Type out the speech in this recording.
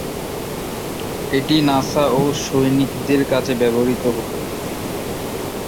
এটি নাসা ও সৈনিকদের কাজে ব্যবহৃত হত।